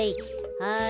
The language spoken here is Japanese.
はい。